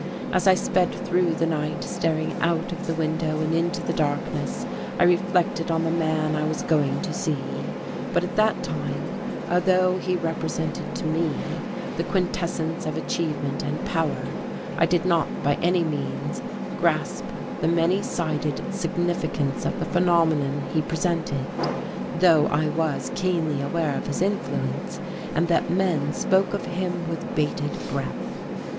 As I sped through the night, staring out of the window into the darkness, I reflected on the man I was going to see. But at that time, although he represented to me the quintessence of achievement and power, I did not by any means grasp the many sided significance of the phenomenon he presented, though I was keenly aware of his influence, and that men spoke of him with bated breath.